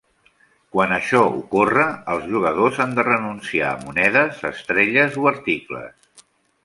Quan això ocorre, els jugadors han de renunciar a monedes, estrelles o articles.